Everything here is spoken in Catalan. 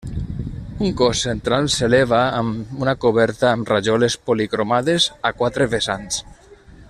Un cos central s'eleva amb una coberta amb rajoles policromades, a quatre vessants.